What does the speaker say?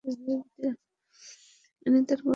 ইনি তার গোত্রের সরদার।